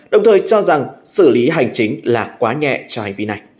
đồng thời cho rằng xử lý hành chính là quá nhẹ cho hành vi này